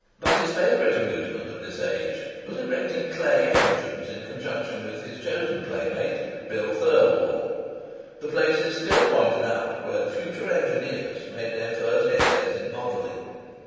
But his favourite amusement at this early age was erecting clay engines in conjunction with his chosen playmate, Bill Thirlwall. The place is still pointed out where the future engineers made their first essays in modelling.